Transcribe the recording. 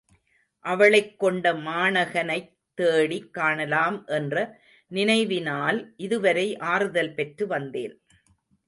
அவளைக் கொண்ட மாணகனைத் தேடிக் காணலாம் என்ற நினைவினால் இதுவரை ஆறுதல் பெற்று வந்தேன்.